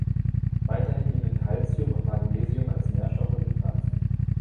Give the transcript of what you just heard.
Weiterhin dienen Calcium und Magnesium als Nährstoffe für Pflanzen.